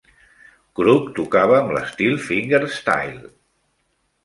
Crook tocava amb l'estil "fingerstyle".